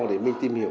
để mình tìm hiểu